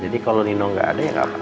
jadi kalo nino gak ada ya gak apa apa